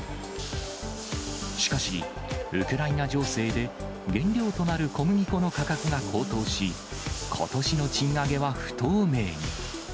しかし、ウクライナ情勢で原料となる小麦粉の価格が高騰し、ことしの賃上げは不透明に。